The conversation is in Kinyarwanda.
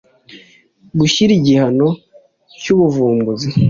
Gushyira igihangano cy ubuvumbuzi